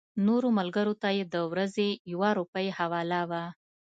نورو ملګرو ته یې د ورځې یوه روپۍ حواله وه.